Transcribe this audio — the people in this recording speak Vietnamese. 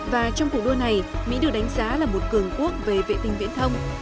và trong cuộc đua này mỹ được đánh giá là một cường quốc về vệ tinh viễn thông